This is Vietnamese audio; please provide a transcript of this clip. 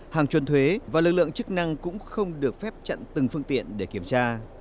hàng chuồn thuế và lực lượng chức năng cũng không được phép chặn từng phương tiện để kiểm tra